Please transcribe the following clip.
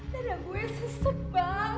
dada gue sesek bang